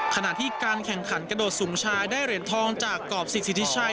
ขณะที่การแข่งขันกระโดดสูงชายได้เหรียญทองจากกรอบสิทธิชัย